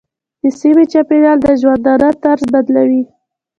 د سیمې چاپېریال د ژوندانه طرز بدلوي.